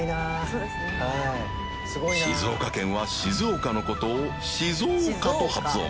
静岡県は静岡のことを「しぞーか」と発音